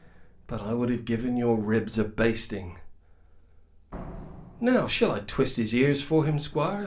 but I would have given your ribs a basting." "Now shall I twist his ears for him, Squire?"